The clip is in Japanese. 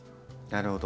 なるほど。